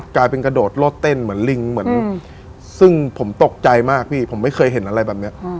กลายเป็นกระโดดโลดเต้นเหมือนลิงเหมือนซึ่งผมตกใจมากพี่ผมไม่เคยเห็นอะไรแบบนี้